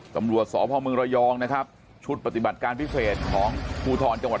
ตำรวจสพมระยองนะครับชุดปฏิบัติการพิเศษของภูทรจังหวัด